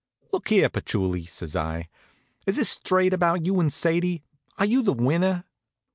"Look here, Patchouli," says I. "Is this straight about you and Sadie? Are you the winner?"